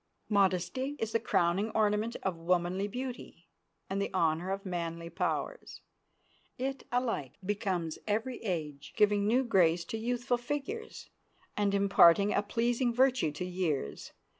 Modesty is the crowning ornament of womanly beauty, and the honor of manly powers. It alike becomes every age, giving new grace to youthful figures, and imparting a pleasing virtue to years.